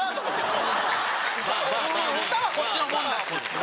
歌はこっちのものやし。